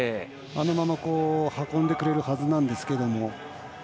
あのまま運んでくれるはずなんですけど。